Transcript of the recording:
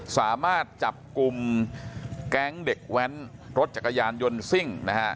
สามารถจับกลุ่มแก๊งเด็กแว้นรถจักรยานยนต์ซิ่งนะฮะ